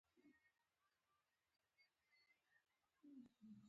چاکلېټ ماشومان خوشحاله کوي.